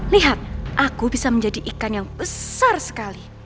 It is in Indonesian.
lihat aku bisa menjadi ikan yang besar sekali